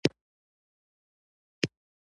خو د پلار یې ونه منله، د تورې شپې خوراک شو.